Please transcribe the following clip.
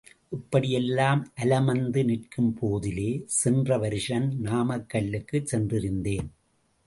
இப்படியெல்லாம் அலமந்து நிற்கும் போதிலே, சென்ற வருஷம் நாமக்கல்லுக்குச் சென்றிருந்தேன்.